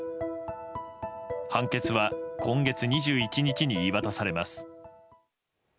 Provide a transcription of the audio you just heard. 判決は今月２１日に言い渡されます。